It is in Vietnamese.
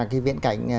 cái viễn cảnh